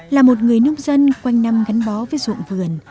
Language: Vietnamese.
là một người nông dân quanh năm gắn bó với ruộng vườn